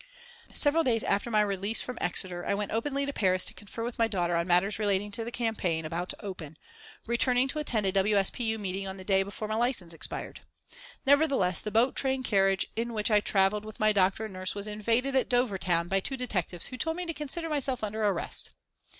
Several days after my release from Exeter I went openly to Paris to confer with my daughter on matters relating to the campaign about to open, returning to attend a W. S. P. U. meeting on the day before my license expired. Nevertheless the boat train carriage in which I travelled with my doctor and nurse was invaded at Dover town by two detectives who told me to consider myself under arrest.